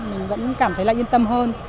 mình vẫn cảm thấy yên tâm hơn